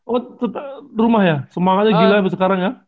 oh tetap rumah ya semangatnya gila sampai sekarang ya